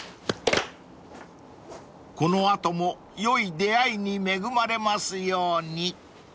［この後も良い出合いに恵まれますように］